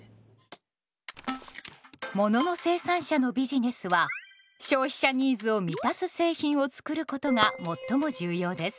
ものの生産者のビジネスは消費者ニーズを満たす製品を作ることが最も重要です。